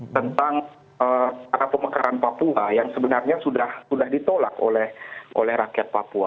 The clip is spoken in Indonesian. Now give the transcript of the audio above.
tentang pemekaran papua yang sebenarnya sudah ditolak oleh rakyat papua